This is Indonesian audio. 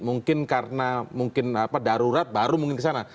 mungkin karena mungkin darurat baru mungkin kesana